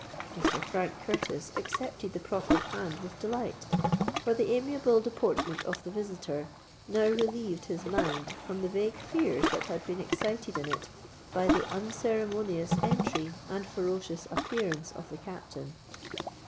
Mr. Frank Curtis accepted the proffered hand with delight; for the amiable deportment of the visitor now relieved his mind from the vague fears that had been excited in it by the unceremonious entry and ferocious appearance of the Captain.